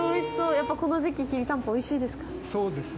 やっぱりこの時期きりたんぽ、おいしいですか？